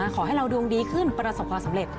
ขอให้เราดวงดีขึ้นประสบความสำเร็จ